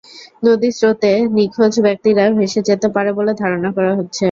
নদীর স্রোতে নিখোঁজ ব্যক্তিরা ভেসে যেতে পারে বলে ধারণা করা হচ্ছে।